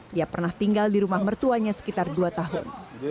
dia pernah tinggal di rumah mertuanya sekitar dua tahun